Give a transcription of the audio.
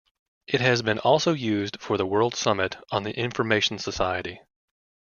It has been also used for the World Summit on the Information Society.